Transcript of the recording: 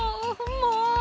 もう。